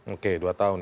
oke dua tahun